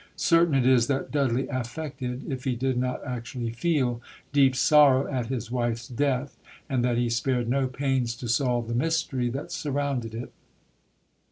Certain it is that Dudley affected, if he did not actually feel, deep sorrow at his wife's death, and that he spared no pains to solve the mystery that surrounded it.